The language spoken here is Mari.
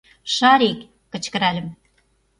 Шарик! — кычкыральым.